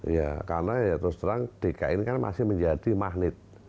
ya karena ya terus terang dki ini kan masih menjadi magnet